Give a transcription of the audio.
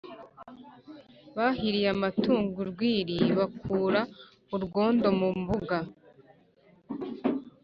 bahiriye amatungo urwiri, bakura urwondo mu mbuga